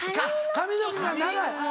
髪の毛が長い？